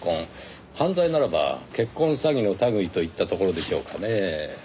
犯罪ならば結婚詐欺の類いといったところでしょうかねぇ。